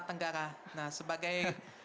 tenggara nah sebagai